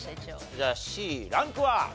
じゃあＣランクは？